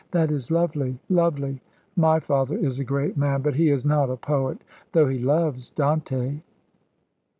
That is lovely, lovely. My father is a great man, but he is not a poet, though he loves Dante."